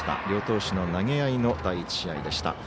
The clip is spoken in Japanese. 両投手の投げ合いの第１試合でした。